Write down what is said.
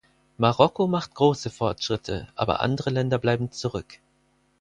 Marokko macht große Fortschritte, aber andere Länder bleiben zurück.